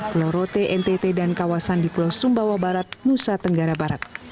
pulau rote ntt dan kawasan di pulau sumbawa barat nusa tenggara barat